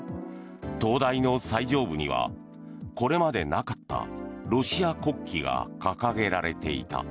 灯台の最上部にはこれまでなかったロシア国旗が掲げられていた。